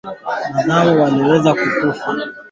Ndama wanaweza kufa kwa kupata tatizo la moyo